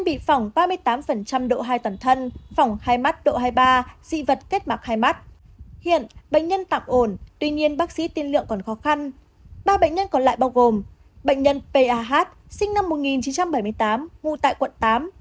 ba bệnh nhân còn lại bao gồm bệnh nhân p a h sinh năm một nghìn chín trăm bảy mươi tám ngụ tại quận tám